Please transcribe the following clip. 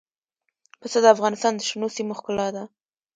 پسه د افغانستان د شنو سیمو ښکلا ده.